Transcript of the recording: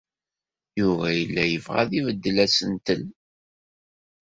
Yuba yella yebɣa ad ibeddel asentel.